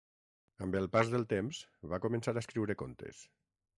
Amb el pas del temps, va començar a escriure contes.